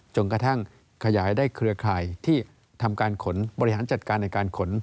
จนกระทั่งขยายได้เครือข่ายที่ทำการขนบริหารจัดการในการขน